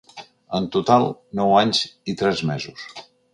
En total, nou anys i tres mesos.